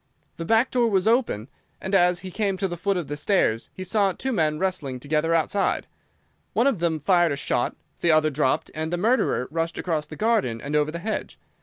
The back door was open, and as he came to the foot of the stairs he saw two men wrestling together outside. One of them fired a shot, the other dropped, and the murderer rushed across the garden and over the hedge. Mr.